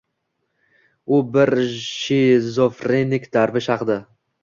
U bir shizofrenik darvesh haqida.